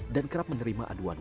dan kerap menerima aduan warga